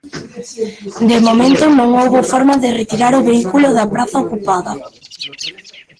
De momento, non houbo forma de retirar o vehículo da praza ocupada.